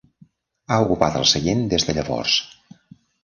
Ha ocupat el seient des de llavors.